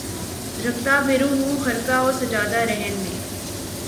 رکھتا پھروں ہوں خرقہ و سجادہ رہن مے